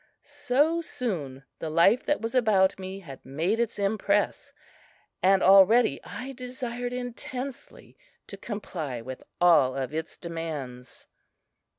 So soon the life that was about me had made its impress, and already I desired intensely to comply with all of its demands.